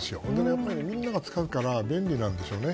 やっぱりみんなが使うから便利なんでしょうね。